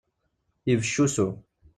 Ibecc usu.